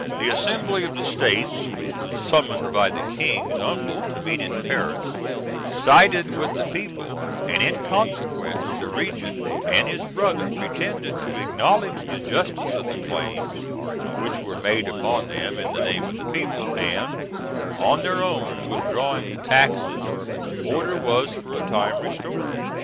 The assembly of the States, which was summoned by the King's uncles to meet in Paris, sided with the people, and, in consequence, the regent and his brother pretended to acknowledge the justice of the claims which were made upon them in the name of the people, and, on their withdrawing the taxes, order was for a time restored.